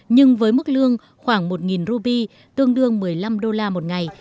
nhưng với mức lương khoảng một rupee tương đương một mươi năm đô la một ngày